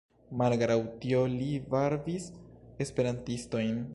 Malgraŭ tio li varbis Esperantistojn.